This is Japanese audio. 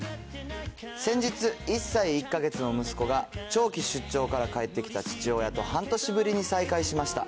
先日、１歳１か月の息子が、長期出張から帰ってきた父親と半年ぶりに再会しました。